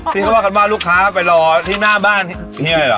ที่เขาว่ากันว่าลูกค้าไปรอที่หน้าบ้านยังไงเหรอ